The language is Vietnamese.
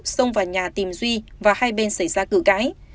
xông vào nhà tìm duy và hai bên xảy ra cử cái